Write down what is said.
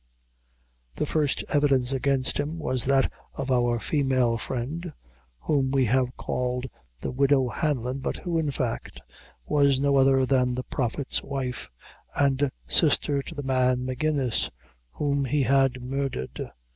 The first evidence against him, was that of our female friend, whom we have called the Widow Hanlon, but who, in fact, was no other than the Prophet's wife, and sister to the man Magennis, whom he had murdered.